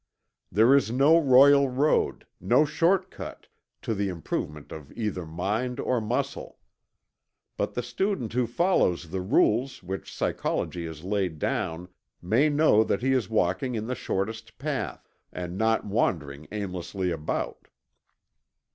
There is no royal road, no short cut, to the improvement of either mind or muscle. But the student who follows the rules which psychology has laid down may know that he is walking in the shortest path, and not wandering aimlessly about.